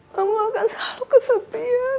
mama akan selalu kesepian